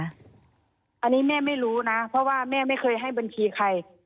อันนี้แม่ไม่รู้นะเพราะว่าแม่ไม่เคยให้บัญชีใคร